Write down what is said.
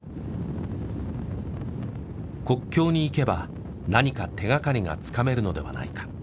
国境に行けば何か手掛りがつかめるのではないか。